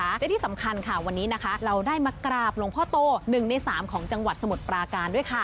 และที่สำคัญค่ะวันนี้นะคะเราได้มากราบหลวงพ่อโต๑ใน๓ของจังหวัดสมุทรปราการด้วยค่ะ